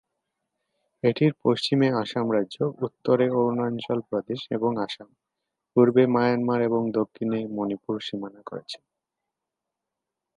এটির পশ্চিমে আসাম রাজ্য, উত্তরে অরুণাচল প্রদেশ এবং আসাম, পূর্বে মায়ানমার এবং দক্ষিণে মণিপুর সীমানা করেছে।